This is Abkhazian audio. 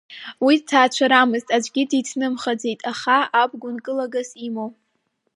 Уи дҭаацәарамызт, аӡәгьы диҭнымхаӡеит, аха аб гәынкылагас имоу…